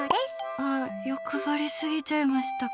欲張りすぎちゃいましたか。